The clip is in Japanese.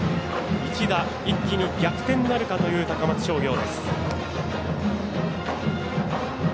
一打、一気に逆転なるかという高松商業。